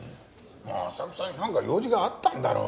浅草になんか用事があったんだろう。